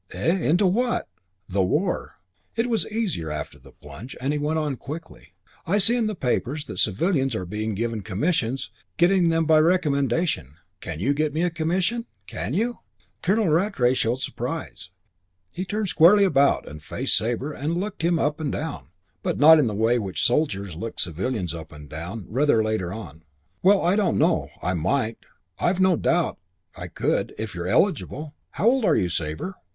"Eh? Into what?" "The war." It was easier after the plunge, and he went on quickly, "I see in the papers that civilians are being given commissions, getting them by recommendation. Can you get me a commission? Can you?" Colonel Rattray showed surprise. He turned squarely about and faced Sabre and looked him up and down, but not in the way in which soldiers looked civilians up and down rather later on. "Well, I don't know. I might. I've no doubt I could, if you're eligible. How old are you, Sabre?"